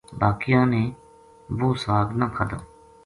باقیاں نے وہ ساگ نہ کھادو